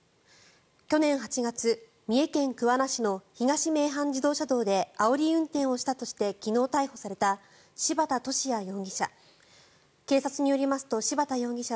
去年８月、三重県桑名市の東名阪自動車道であおり運転をしたとして昨日逮捕された柴田敏也容疑者。